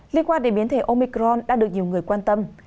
liên quan đến biến thể omicron đã được nhiều người quan tâm